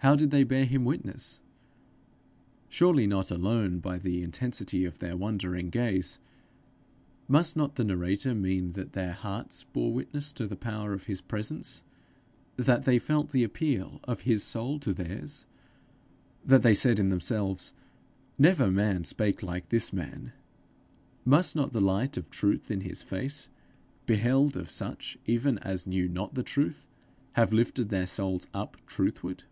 How did they bear him witness? Surely not alone by the intensity of their wondering gaze! Must not the narrator mean that their hearts bore witness to the power of his presence, that they felt the appeal of his soul to theirs, that they said in themselves, 'Never man spake like this man'? Must not the light of truth in his face, beheld of such even as knew not the truth, have lifted their souls up truthward?